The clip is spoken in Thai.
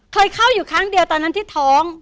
เคยเข้าอยู่ครั้งเดียวตอนนั้นที่ท้อง